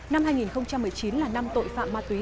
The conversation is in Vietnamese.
năm hai nghìn một mươi chín là năm tội phạm ma túy